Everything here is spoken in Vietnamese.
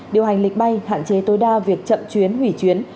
điều hành lịch bay hạn chế tối đa việc chậm chuyến hủy chuyến